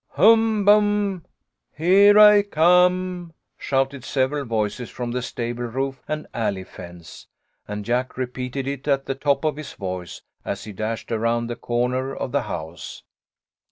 " Hum, bum ! Here I come !" shouted several voices from the stable roof and alley fence, and Jack repeated it at the top of his voice, as he dashed around the corner of the house.